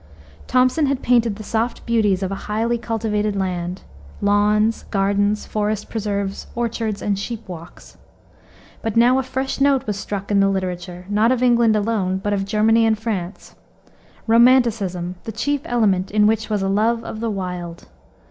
Thomson had painted the soft beauties of a highly cultivated land lawns, gardens, forest preserves, orchards, and sheep walks. But now a fresh note was struck in the literature, not of England alone, but of Germany and France romanticism, the chief element in which was a love of the wild.